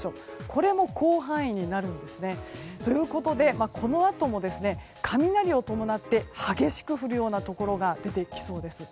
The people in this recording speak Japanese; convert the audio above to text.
これも広範囲になるんですね。ということでこのあとも雷を伴って激しく降るようなところが出てきそうです。